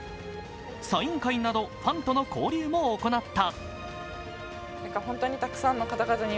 サイン会などファンとの交流も行った。